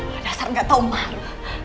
pada asal nggak tahu malu